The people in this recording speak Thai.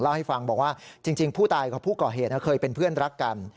เล่าให้ฟังบอกว่าจริงผู้ตายกับผู้ก่อเหตุเคยเป็นเพื่อนรักกัน